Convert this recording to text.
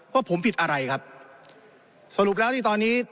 ว่าผมผิดอะไรครับสรุปแล้วนี่ตอนนี้